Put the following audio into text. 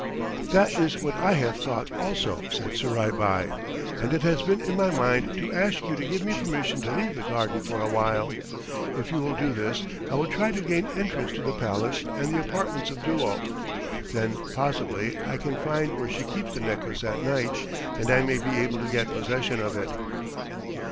"That is what I have thought also," said Surai Bai, "and it has been in my mind to ask you to give me permission to leave the garden for a while. If you will do this I will try to gain entrance to the palace and the apartments of Duo. Then possibly I can find where she keeps the necklace at night, and I may be able to get possession of it."